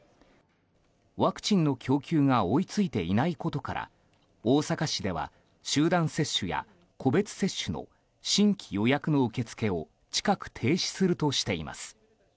ワクチンの供給が追い付いていないことから大阪市では集団接種や個別接種の新規予約の受け付けを近く停止するとしています。